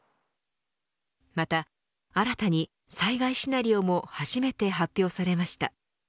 また、新たに災害シナリオも初めて発表されました。